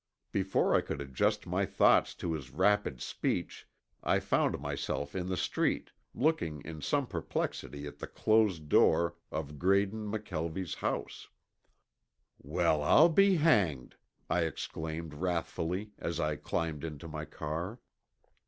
Before I could adjust my thoughts to his rapid speech I found myself in the street looking in some perplexity at the closed door of Graydon McKelvie's house. "Well, I'll be hanged!" I exclaimed wrathfully, as I climbed into my car.